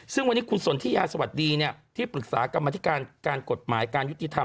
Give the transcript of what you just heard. ซึ่งวันนี้คุณสนทิยาสวัสดีที่ปรึกษากรรมธิการการกฎหมายการยุติธรรม